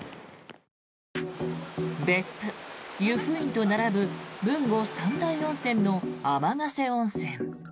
別府、湯布院と並ぶ豊後三大温泉の天ヶ瀬温泉。